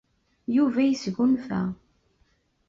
Yuba yesgunfa.